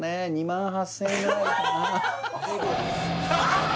２万８０００円？